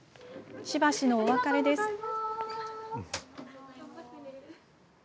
しばしのお別れです。